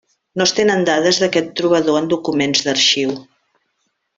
No es tenen dades d'aquest trobador en documents d'arxiu.